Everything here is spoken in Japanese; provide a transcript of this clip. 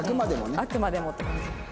あくまでもって感じ。